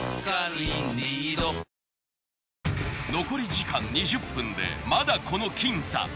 残り時間２０分でまだこの僅差。